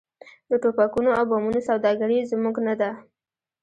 د ټوپکونو او بمونو سوداګري یې زموږ نه ده.